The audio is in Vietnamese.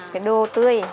cái đồ tươi